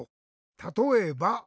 「たとえば？」。